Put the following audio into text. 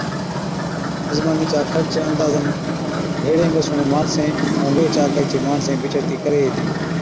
مزمانِي چا خرچ اندازن ڀيڙَي ٻيسوڙين ماڻسين ائُون ويھِچ آڪھِي چين ماڻسين بچڙتِي ڪرين ھِتين